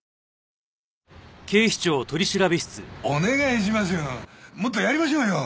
お願いしますよ。